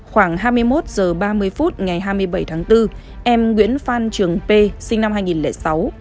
khoảng hai mươi một h ba mươi phút ngày hai mươi bảy tháng bốn em nguyễn phan trường p sinh năm hai nghìn sáu